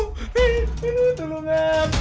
eh eh tolongan